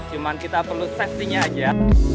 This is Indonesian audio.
cuma kita perlu safety nya aja